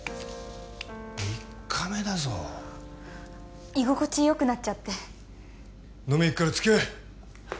３日目だぞ居心地よくなっちゃって飲みに行くからつきあえ！